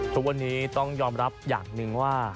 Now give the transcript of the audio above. ทุกวันนี้ต้องยอมรับอย่างหนึ่งว่า